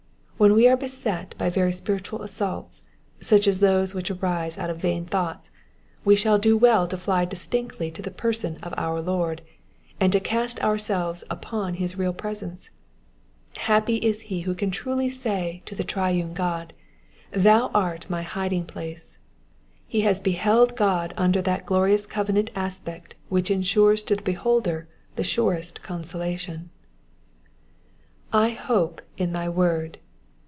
When we are beset by very apirituid assaults, such ks those which arise out of vain thoughts, we shall do well to fly distinctly to the person of our Lord, and to cast ourselves upon bis real Sresence. Happy is he who can truly say to the triune CJod, *' Thon art my iding placo." He has beheld God under that glorious covenant aspect which ensures to the beholder the surest consolation. *^J hope in thy icord.